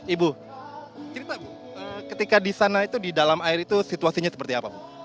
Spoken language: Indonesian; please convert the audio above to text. ibu cerita ketika di sana itu di dalam air itu situasinya seperti apa bu